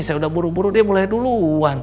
saya udah buru buru dia mulai duluan